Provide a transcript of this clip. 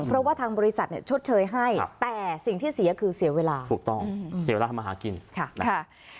เพราะว่าทางบริษัทเนี่ยชดเชยให้แต่สิ่งที่เสียคือเสียเวลาถูกต้องเสียเวลาทำมาหากินนะคะ